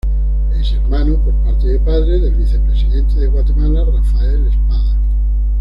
Es hermano, por parte de padre, del vicepresidente de Guatemala, Rafael Espada.